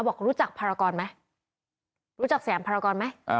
บอกรู้จักภารกรไหมรู้จักแสมภารกรไหม